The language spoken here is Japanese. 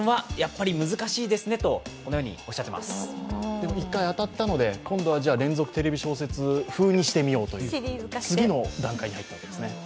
でも１回当たったので今度は連続テレビドラマ風にしてみようと次の段階に入ったわけですね。